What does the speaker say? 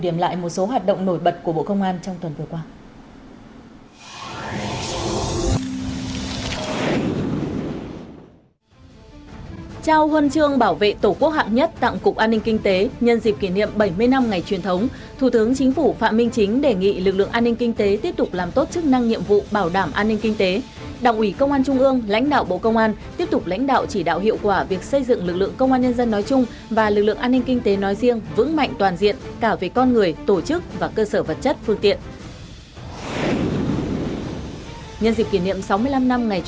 mời quý vị cùng điểm lại một số hoạt động nổi bật của bộ công an trong tuần vừa qua